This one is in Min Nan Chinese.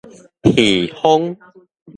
耳風